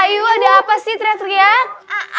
lilih ayo ada apa sih teriak teriak